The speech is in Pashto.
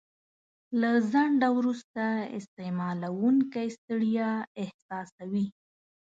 له ځنډه وروسته استعمالوونکی ستړیا احساسوي.